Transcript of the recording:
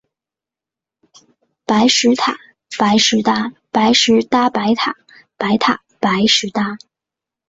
白石塔，白石搭。白石搭白塔，白塔白石搭